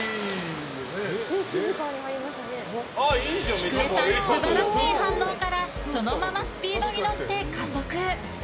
きくえさん、素晴らしい反応からそのままスピードに乗って加速。